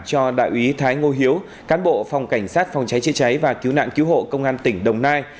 cho đại úy thái ngô hiếu cán bộ phòng cảnh sát phòng cháy chữa cháy và cứu nạn cứu hộ công an tỉnh đồng nai